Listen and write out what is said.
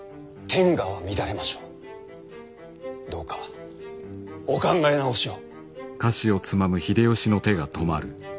どうかお考え直しを。